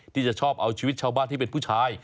ที่จะชอบเอาชีวิตชาวบ้านที่เป็นผู้ชาย